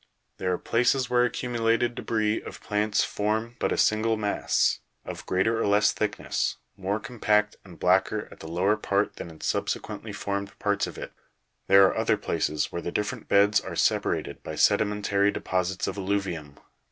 There are places where accumulated debris of plants form but a single mass, of greater or less thickness", more compact and blacker at the lower part than in subsequently formed parts of it ; there are other places where the different beds are separated by sedi mentary deposits of alluvium.